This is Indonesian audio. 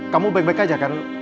kamu baik baik aja kan